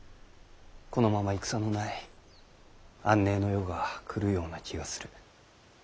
このまま戦のない安寧の世が来るような気がする。